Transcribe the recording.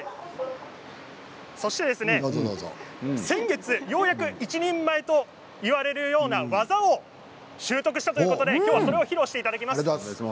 先月ようやく一人前と言われるような技を習得したということできょうはそれを披露していただきます。